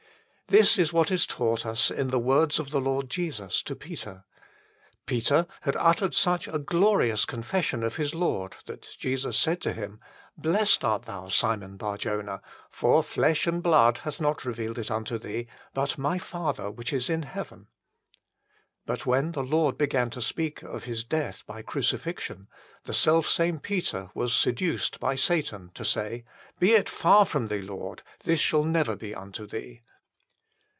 That is what is taught us in the words of the Lord Jesus to Peter. Peter had uttered such a glorious confession of his Lord, that Jesus said 5 GG THE FULL BLESSING OF PENTECOST to him :" Blessed art them, Simon Bar Jonah : for flesh and blood hath not revealed it unto thee, but My Father which is in heaven." But when the Lord began to speak of His death by crucifixion, the self same Peter was seduced by Satan to say :" Be it far from Thee, Lord : this shall never be unto Thee."